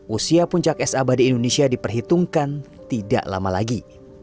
usia puncak es abadi indonesia diperhitungkan tidak lama lagi